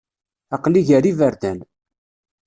Aqli gar iberdan.